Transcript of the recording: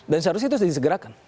dan seharusnya itu disegerakan